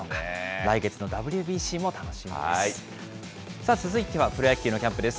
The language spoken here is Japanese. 来月のＷＢＣも楽しみです。